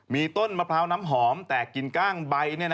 มีต้นมะพร้าวน้ำหอมแต่กินกล้างใบ